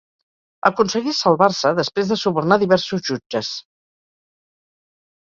Aconseguí salvar-se després de subornar diversos jutges.